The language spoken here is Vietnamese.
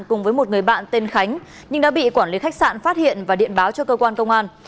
cùng với một người bạn tên khánh nhưng đã bị quản lý khách sạn phát hiện và điện báo cho cơ quan công an